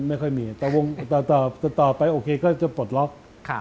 ไม่ค่อยมีแต่วงต่อไปโอเคก็จะปลดล็อก